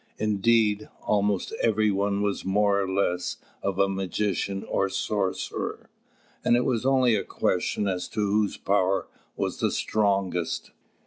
Indeed, almost every one was more or less of a magician or sorcerer, and it was only a question as to whose power was the strongest.